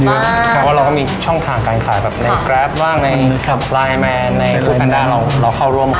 เพราะว่าเราก็มีช่องทางการขายแบบในแกรปบ้างในไลน์แมนในทุกแพนด้าเราเข้าร่วมกัน